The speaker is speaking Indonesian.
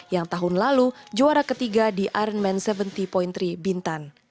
yang tahun lalu juara ketiga di ironman tujuh puluh tiga bintan